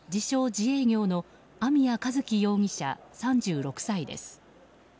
自営業の網谷一希容疑者、３６歳です。